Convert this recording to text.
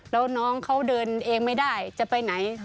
แล้วน้องเขาเดินเองไม่ได้จะไปไหน